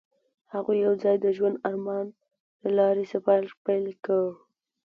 هغوی یوځای د ژور آرمان له لارې سفر پیل کړ.